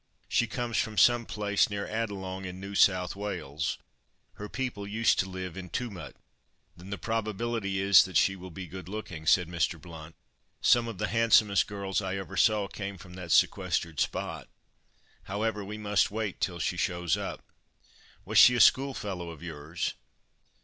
She comes from some place near Adelong in New South Wales; her people used to live in Tumut." "Then the probability is that she will be good looking," said Mr. Blount. "Some of the handsomest girls I ever saw came from that sequestered spot. However, we must wait till she shows up. Was she a schoolfellow of yours?"